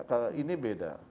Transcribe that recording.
ke ini beda